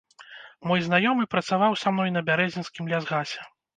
Мой знаёмы працаваў са мной на бярэзінскім лясгасе.